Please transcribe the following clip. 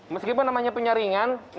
meskipun namanya penyaringan